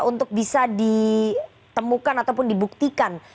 itu temukan ataupun dibuktikan